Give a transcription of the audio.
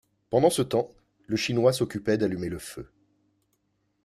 Pendant ce temps, le Chinois s’occupait d’allumer le feu.